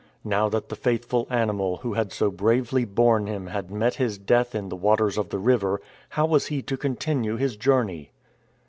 Now that the faithful animal who had so bravely borne him had met his death in the waters of the river, how was he to continue his journey?